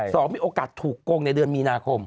สองมีโอกาสถูกโกงในเดือนมีนาคม